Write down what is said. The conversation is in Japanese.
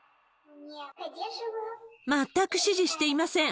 全く支持していません。